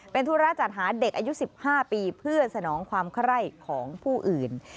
เป็นธุระจัดหาเด็กอายุ๑๕ปีเพื่อสนองความไคร่ของผู้อื่น